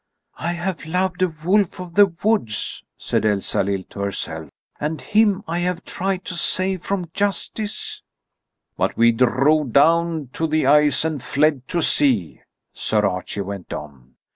"I have loved a wolf of the woods," said Elsalill to herself. "And him I have tried to save from justice!" "But we drove down to the ice and fled to sea," Sir Archie went on.